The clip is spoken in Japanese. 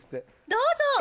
どうぞ。